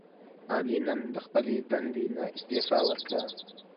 علي نن د خپلې دندې نه استعفا ورکړه.